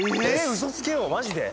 ウソつけよマジで？